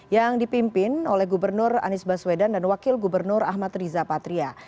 yang dipimpin oleh gubernur anies baswedan dan wakil gubernur ahmad riza patria